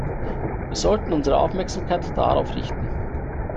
Wir sollten unsere Aufmerksamkeit darauf richten.